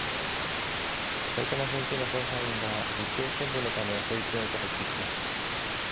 埼玉県警の捜査員が実況検分のため保育園へと入っていきます。